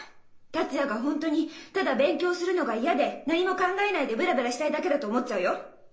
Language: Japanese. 達也が本当にただ勉強するのが嫌で何も考えないでブラブラしたいだけだと思っちゃうよ。